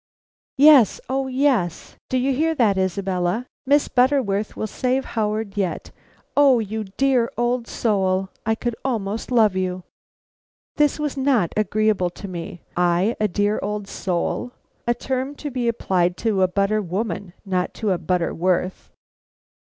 "Yes, oh, yes. Do you hear that, Isabella? Miss Butterworth will save Howard yet. O you dear old soul. I could almost love you!" This was not agreeable to me. I a dear old soul! A term to be applied to a butter woman not to a Butterworth.